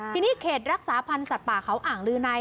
ทีนี้เขตรักษาพันธ์สัตว์ป่าเขาอ่างลือใน